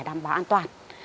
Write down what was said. đảm bảo an toàn